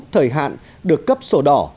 thời hạn được cấp sổ đỏ